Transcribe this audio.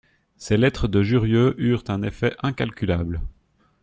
Ces lettres de Jurieu eurent un effet incalculable.